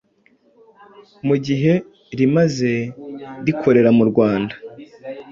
mu gihe rimaze rikorera mu Rwanda.